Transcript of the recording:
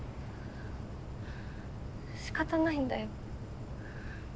しかたないんだよ。